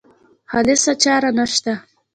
خالصه چاره نشته.